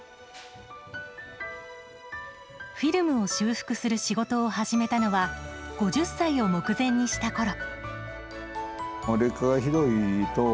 フィルムを修復する仕事を始めたのは５０歳を目前にしたころ。